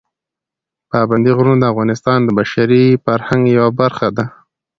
پابندي غرونه د افغانستان د بشري فرهنګ یوه برخه ده.